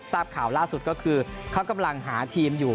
ทราบข่าวล่าสุดก็คือเขากำลังหาทีมอยู่